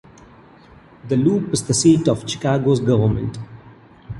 The Loop is the seat of Chicago's government.